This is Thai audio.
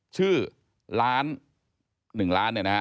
ชื่อล้าน๑ล้านเนี่ยนะฮะ